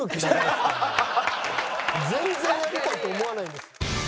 全然やりたいと思わないです。